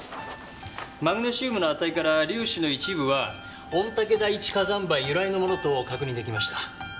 マグネシウムの値から粒子の一部は御岳第一火山灰由来のものと確認出来ました。